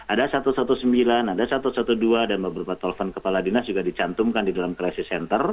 ada satu ratus sembilan belas ada satu ratus dua belas dan beberapa telepon kepala dinas juga dicantumkan di dalam crisis center